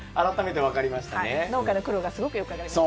農家の苦労がすごくよく分かりますね。